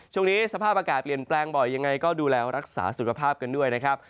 ช่วงนี้สภาพอากาศเปลี่ยนแปลงบ่อยยังไงก็ดูแลรักษาสุขภาพกันด้วยนะครับ